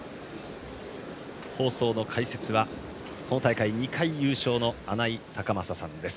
放送の解説は本大会２回優勝の穴井隆将さんです。